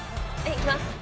いきます。